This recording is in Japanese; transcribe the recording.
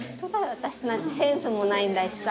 私なんてセンスもないんだしさ。